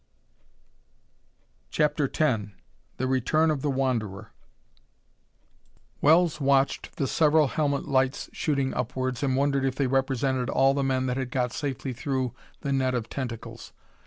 CHAPTER X The Return of the Wanderer Wells watched the several helmet lights shooting upwards and wondered if they represented all the men that had got safely through the net of tentacles.